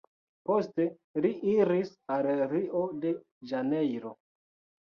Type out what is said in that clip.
Poste li iris al Rio-de-Ĵanejro.